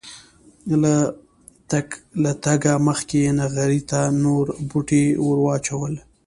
له تګه مخکې یې نغري ته نور بوټي ور واچول.